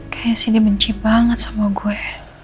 kayaknya sih dia benci banget sama gue